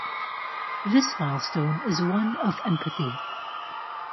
This milestone is one of empathy.